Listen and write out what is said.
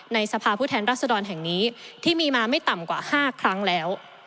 สภาพผู้แทนรัศดรแห่งนี้ที่มีมาไม่ต่ำกว่า๕ครั้งแล้ว